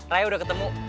raya udah ketemu